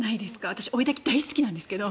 私追いだき大好きなんですけど。